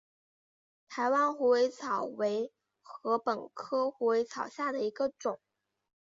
台湾虎尾草为禾本科虎尾草下的一个种。